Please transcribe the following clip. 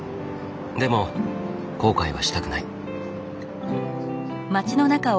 でも後悔はしたくない。